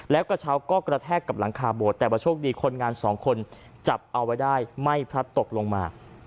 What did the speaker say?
แล้วกระเช้าก็กระแทกกับหลังคาโบสถแต่ว่าโชคดีคนงานสองคนจับเอาไว้ได้ไม่พลัดตกลงมา